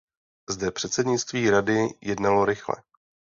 Zde předsednictví Rady jednalo rychle.